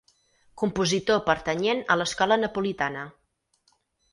Compositor pertanyent a l'escola napolitana.